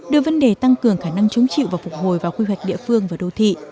đưa vấn đề tăng cường khả năng chống chịu và phục hồi vào quy hoạch địa phương và đô thị